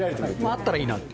あったらいいなって。